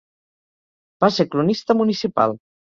Va ser cronista municipal.